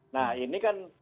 nah ini kan